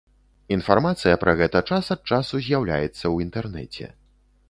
Інфармацыя пра гэта час ад часу з'яўляецца ў інтэрнэце.